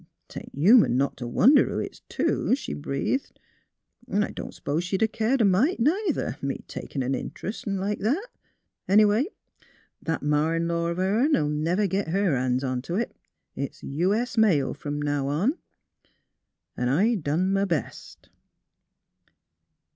'' 'Tain't human not t' wonder who it's to," she breathed. " 'N' I don't s'pose she'd 'a' cared a mite, neither — me takin' an int'rest 'n' like that. Anyway, that ma in law o' hern '11 never git her ban's onto it. It's U. S. Mail, f 'om now on. 'N' I done m' best."